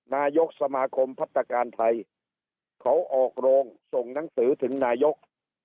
นายกสมาคมพัฒนาการไทยเขาออกโรงส่งหนังสือถึงนายก